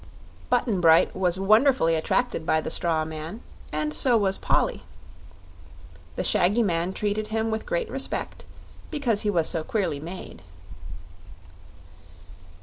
Button Bright was wonderfully attracted by the strawman, and so was Polly. The shaggy man treated him with great respect, because he was so queerly made.